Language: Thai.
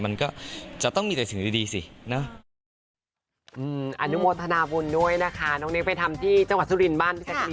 มันก็จะต้องมีแต่สิ่งดีสิเนอะ